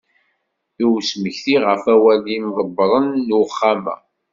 I usmekti, ɣef wawal n yimḍebbren n Uxxam-a.